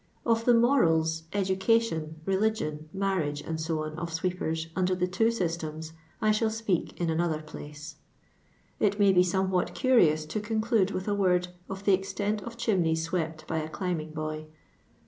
Of the moralif edHcation, reliffion, mamagt, &c., of iweepen, under the two eyitema, I ihall speak in another place. It may be somewhat cnrioni to conclude with a word of the extent of chimneya awept by a climbing boy.